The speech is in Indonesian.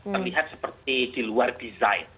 terlihat seperti di luar desain